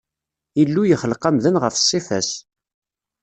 Illu yexleq amdan ɣef ṣṣifa-s.